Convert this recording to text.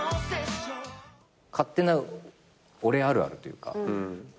勝手な俺あるあるというか。